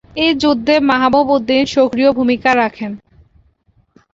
এ যুদ্ধে মাহবুব উদ্দিন সক্রিয় ভূমিকা রাখেন।